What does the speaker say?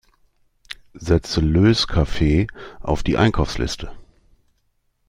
Setze Löskaffee auf die Einkaufsliste!